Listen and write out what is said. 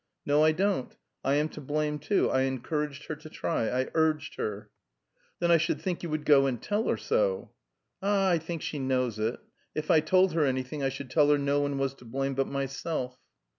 "No, I don't. I am to blame, too. I encouraged her to try I urged her." "Then I should think you would go and tell her so." "Ah, I think she knows it. If I told her anything, I should tell her no one was to blame but myself."